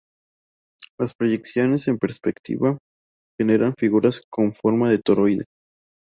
Las proyecciones en perspectiva generan figuras con forma de toroide.